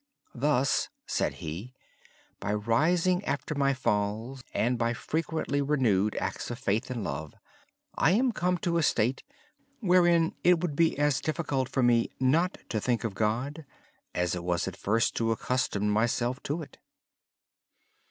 "Thus," said he, "by rising after my falls, and by frequently renewed acts of faith and love, I am come to a state wherein it would be as difficult for me not to think of God as it was at first to accustom myself to it."